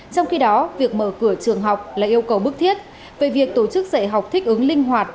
trong khi đó việc mở cửa trường học là yêu cầu bức thiết về việc tổ chức dạy học thích ứng linh hoạt